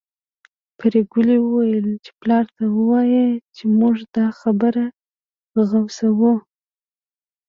پري ګلې وويل چې پلار ته ووايه چې موږ دا خبره غوڅوو